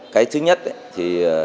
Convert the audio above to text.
cái thứ nhất thì